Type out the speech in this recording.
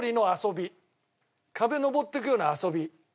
壁登っていくような遊び。